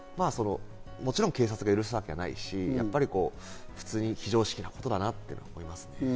もちろん警察が許すわけないし、非常識なことだなと思いますね。